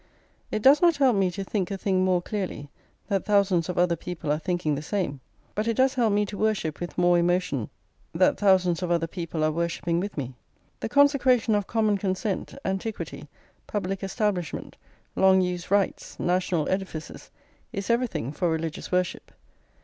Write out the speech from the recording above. It does not help me to think a thing more clearly that thousands of other people are thinking the same; but it does help me to worship with more emotion that thousands of other people are worshipping with me. The consecration of common consent, antiquity, public establishment, long used rites, national edifices, is everything for religious worship.